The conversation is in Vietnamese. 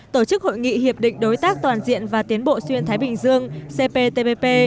tổ chức hội nghị hiệp định đối tác toàn diện và tiến bộ xuyên thái bình dương cptpp